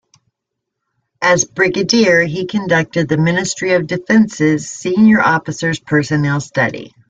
As a Brigadier he conducted the Ministry of Defence's Senior Officers' Personnel Study.